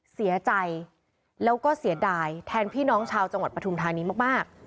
เสียใจแล้วก็เสียดายแทนพี่น้องชาวจังหวัดปฐุมธานีมาก